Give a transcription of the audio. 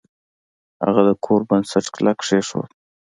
هغه د کور بنسټ کلک کیښود.